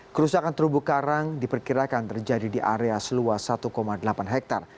kerusakan terumbu karang diperkirakan terjadi di area seluas satu delapan hektare